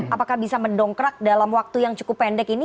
apakah bisa mendongkrak dalam waktu yang cukup pendek ini